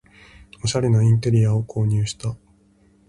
おしゃれなインテリアを購入した